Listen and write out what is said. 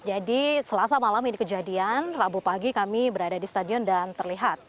jadi selasa malam ini kejadian rabu pagi kami berada di stadion dan terlihat